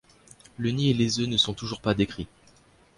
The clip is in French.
Le nid et les œufs ne sont toujours pas décrits.